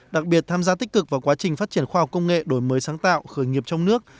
đặc biệt tham gia tích cực vào quá trình phát triển khoa học công nghệ đổi mới sáng tạo khởi nghiệp trong nước